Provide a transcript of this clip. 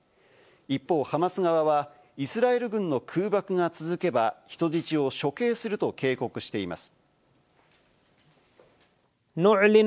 一方、ハマス側はイスラエル軍の空爆が続けば、人質を処刑すると警告しています。